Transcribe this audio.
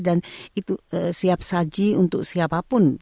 dan itu siap saji untuk siapapun